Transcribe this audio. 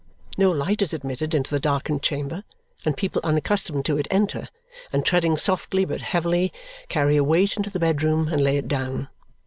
No light is admitted into the darkened chamber, and people unaccustomed to it enter, and treading softly but heavily, carry a weight into the bedroom and lay it down.